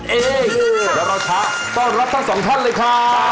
แล้วเราชักต้อนรับทั้งสองท่านเลยค่ะ